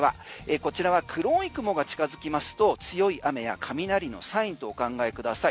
こちらは黒い雲が近づきますと強い雨や雷のサインとお考えください。